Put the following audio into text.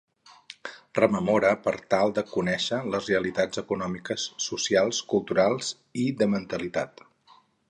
Rememore per tal de conèixer les realitats econòmiques, socials, culturals i de mentalitat.